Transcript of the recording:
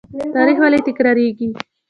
تاریخ ولې تکراریږي؟